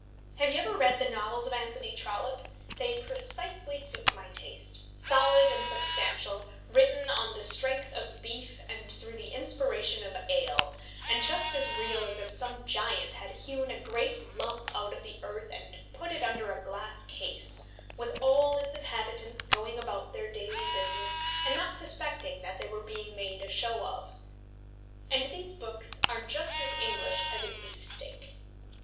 Have you ever read the novels of Anthony Trollope? They precisely suit my taste, solid and substantial, written on the strength of beef and through the inspiration of ale, and just as real as if some giant had hewn a great lump out of the earth and put it under a glass case, with all its inhabitants going about their daily business, and not suspecting that they were being made a show of. And these books are just as English as a beef steak.